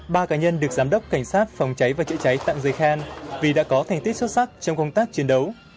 ba cá nhân được giám đốc cảnh sát phòng chế chế cháy tạm dây khen vì đã có thành tích xuất sắc trong công tác chiến đấu